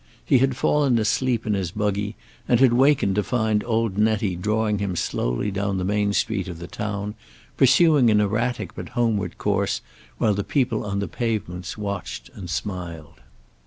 He had fallen asleep in his buggy, and had wakened to find old Nettie drawing him slowly down the main street of the town, pursuing an erratic but homeward course, while the people on the pavements watched and smiled.